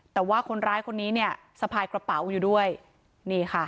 แต่ว่าคนร้ายคนนี้เนี่ยสะพายกระเป๋าอยู่ด้วยนี่ค่ะ